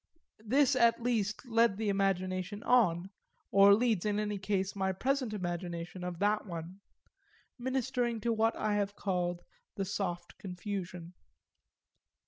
This at least led the imagination on or leads in any case my present imagination of that one; ministering to what I have called the soft confusion.